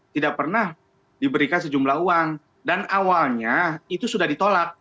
tidak pernah diberikan sejumlah uang dan awalnya itu sudah ditolak